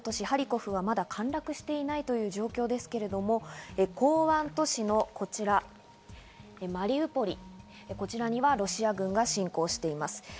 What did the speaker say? ハリコフはまだ陥落していないという状況ですけれども、港湾都市のマリウポリ、こちらにはロシア軍が侵攻しています。